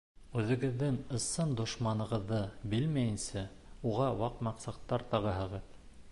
Үҙегеҙҙең ысын дошманығыҙҙы белмәйенсә, уға ваҡ маҡсаттар тағаһығыҙ.